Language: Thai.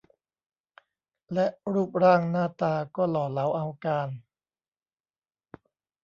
และรูปร่างหน้าตาก็หล่อเหลาเอาการ